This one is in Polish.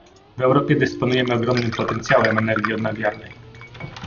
W Europie dysponujemy ogromnym potencjałem energii odnawialnej